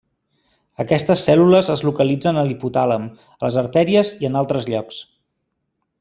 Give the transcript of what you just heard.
Aquestes cèl·lules es localitzen a l'hipotàlem, a les artèries i en altres llocs.